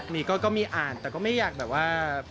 มีก็มีอ่านแต่ก็ไม่อยากแบบว่า